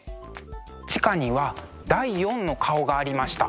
地下には第４の顔がありました。